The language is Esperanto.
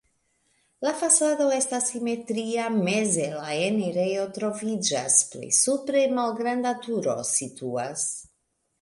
La fasado estas simetria, meze la enirejo troviĝas, plej supre malgranda turo situas.